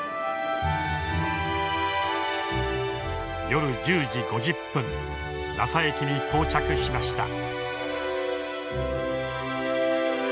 夜１０時５０分ラサ駅に到着しました。